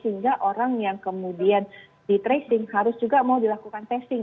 sehingga orang yang kemudian di tracing harus juga mau dilakukan testing